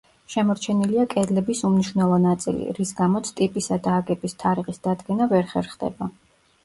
შემორჩენილია კედლების უმნიშვნელო ნაწილი, რის გამოც ტიპისა და აგების თარიღის დადგენა ვერ ხერხდება.